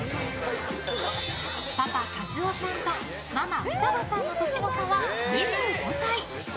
パパ・一男さんとママ・双葉さんの年の差は２５歳。